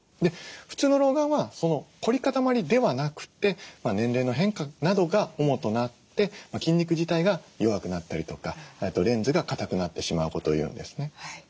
普通の老眼は凝り固まりではなくて年齢の変化などが主となって筋肉自体が弱くなったりとかレンズがかたくなってしまうことを言うんですね。